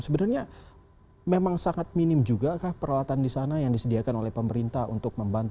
sebenarnya memang sangat minim juga kah peralatan di sana yang disediakan oleh pemerintah untuk membantu